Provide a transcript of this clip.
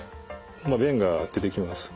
まあ便が出てきます。